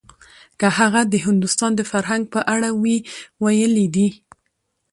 که هغه د هندوستان د فرهنګ په اړه وی ويلي دي.